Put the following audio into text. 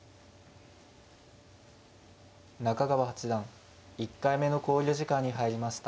中川八段１回目の考慮時間に入りました。